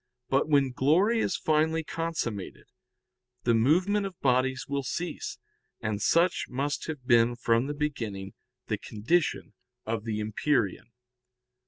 But when glory is finally consummated, the movement of bodies will cease. And such must have been from the beginning the condition of the empyrean.